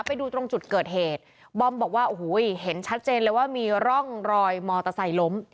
ไปดูตรงจุดเกิดเหตุบอมบอกว่าโอ้โหเห็นชัดเจนเลยว่ามีร่องรอยมอเตอร์ไซค์ล้ม